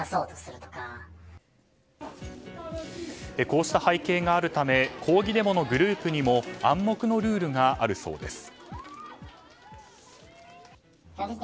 こうした背景があるため抗議デモのグループにも暗黙のルールがあるそうです。